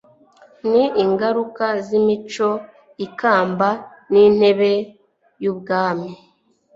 Ni ingaruka z'imico. Ikamba n'intebe y'ubwami